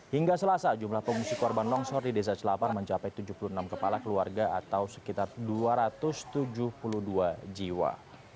hingga selasa jumlah pengungsi korban longsor di desa celapar mencapai tujuh puluh enam kepala keluarga atau sekitar dua ratus tujuh puluh dua jiwa